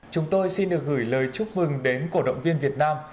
chúng tôi xin được gửi lời chúc mừng đến cổ động viên việt nam